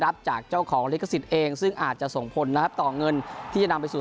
รับจากเจ้าของลิขสิทธิ์เองซึ่งอาจจะส่งผลนะครับต่อเงินที่จะนำไปสู่